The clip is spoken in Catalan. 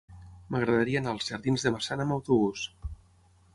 M'agradaria anar als jardins de Massana amb autobús.